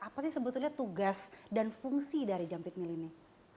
apa sih sebetulnya tugas dan fungsi dari jampit mill ini